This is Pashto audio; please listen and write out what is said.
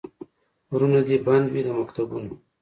ورونه دي بند وي د مکتبونو